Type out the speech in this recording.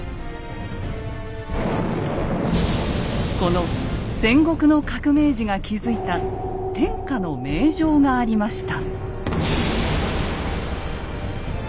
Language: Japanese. この戦国の革命児が築いた天下の名城がありました。